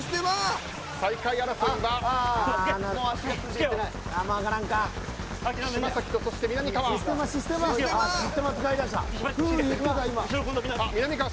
最下位争いは嶋崎とみなみかわ。